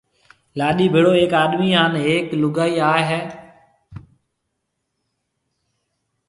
لاڏِي ڀيڙو ھيَََڪ آڏمِي ھان ھيَََڪ لوگائِي آئيَ ھيََََ